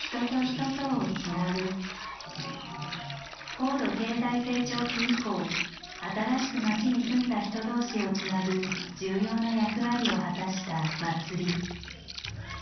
高度経済成長期以降新しく街に住んだ人同士をつなぐ重要な役割を果たした「祭り」。